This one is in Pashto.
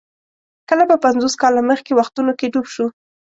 کله به پنځوس کاله مخکې وختونو کې ډوب شو.